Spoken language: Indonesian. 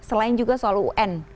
selain juga soal un